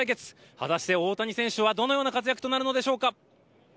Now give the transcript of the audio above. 果たして大谷選手は、どのような活躍となるのでしょうか。